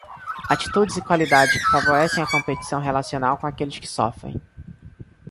Atitudes e qualidades que favorecem a competição relacional com aqueles que sofrem.